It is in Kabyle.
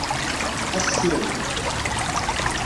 Xas sired.